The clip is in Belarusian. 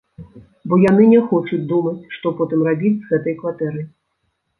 Бо яны не хочуць думаць, што потым рабіць з гэтай кватэрай.